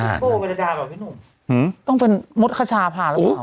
โก้เมริดาเหรอพี่หนุ่มต้องเป็นมดขชาพาหรือเปล่า